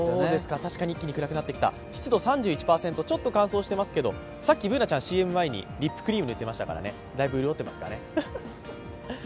確かに一気に暗くなってきた、湿度３１％、ちょっと乾燥していますけど、さっきＢｏｏｎａちゃん、ＣＭ前にリップクリーム塗ってましたからだいぶ潤ってますね。